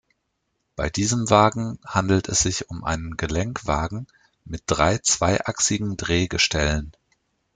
Bei diesem Wagen handelt es sich um einen Gelenkwagen mit drei zweiachsigen Drehgestellen.